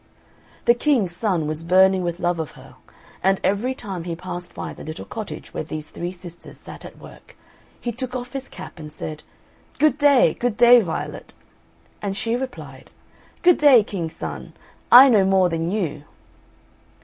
The King's son was burning with love of her, and every time he passed by the little cottage where these three sisters sat at work, he took off his cap and said, "Good day, good day, Violet," and she replied, "Good day, King's son! I know more than you."